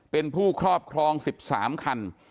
เป็นผู้ครอบครอง๑๓คัน